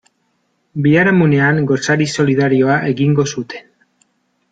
Biharamunean gosari solidarioa egingo zuten.